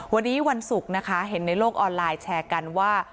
วันนี้วันศุกร์นะคะเห็นในโลกออนไลน์แชร์กันว่า